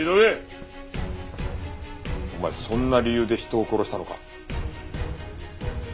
お前そんな理由で人を殺したのか？